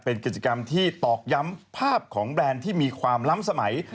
เป็นกิจกรรมที่ตอกย้ำภาพของแบรนด์ที่มีความล้ำสมัย